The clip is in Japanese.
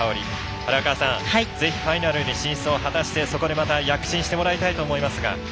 荒川さん、ぜひファイナルに進出を果たしてそこでまた躍進してもらいたいと思いますが。